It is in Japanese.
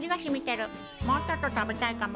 もうちょっと食べたいかも。